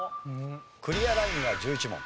クリアラインは１１問。